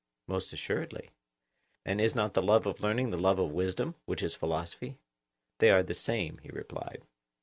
Most assuredly. And is not the love of learning the love of wisdom, which is philosophy? They are the same, he replied.